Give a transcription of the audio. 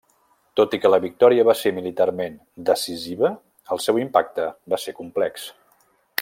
Tot i que la victòria va ser militarment decisiva, el seu impacte va ser complex.